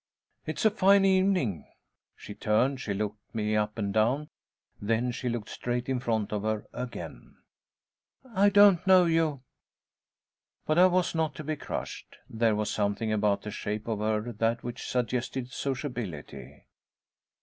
"It's a fine evening." She turned, she looked me up and down, then she looked straight in front of her again. "I don't know you." But I was not to be crushed; there was something about the shape of her that which suggested sociability.